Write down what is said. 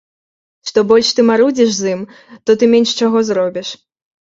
Што больш ты марудзіш з ім, то ты менш чаго зробіш.